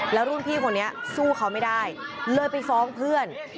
แล้วรุ่นพี่คนนี้สู้เขาไม่ได้เลยไปฟ้องเพื่อน